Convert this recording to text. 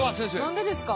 何でですか？